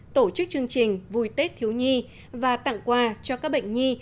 tổ chức chương trình vui tết thiếu nhi và tặng quà cho các bệnh nhi